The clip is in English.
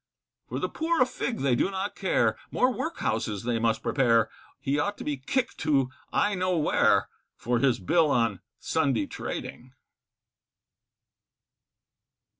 For the poor a fig they do not care, More workhouses they must prepare, He ought to be kicked to I know where, For his Bill on Sunday trading.